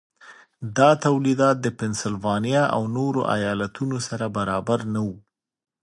دا تولیدات د پنسلوانیا او نورو ایالتونو سره برابر نه وو.